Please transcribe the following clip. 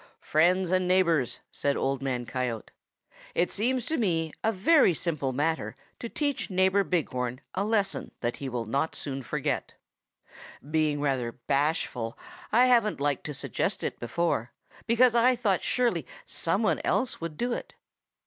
"'Friends and neighbors,' said Old Man Coyote, 'it seems to me a very simple matter to teach Neighbor Big Horn a lesson that he will not soon forget. Being rather bashful, I haven't liked to suggest it before, because I thought surely some one else would do it.